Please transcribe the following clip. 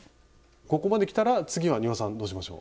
ここまできたら次は丹羽さんどうしましょう。